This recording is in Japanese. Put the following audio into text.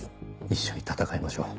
一緒に戦いましょう。